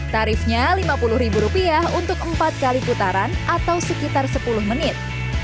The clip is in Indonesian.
tarifnya rp lima puluh untuk empat kali putaran atau sekitar sepuluh menit